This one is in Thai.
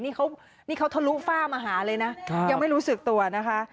นี่เขาทะลุฝ้ามาหาเลยนะยังไม่รู้สึกตัวนะคะ